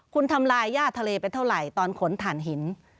คุณทำลายย่าทะเลไปเท่าไหร่ตอนขนถ่านหิน